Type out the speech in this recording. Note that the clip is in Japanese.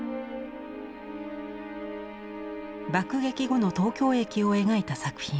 爆撃後の東京駅を描いた作品。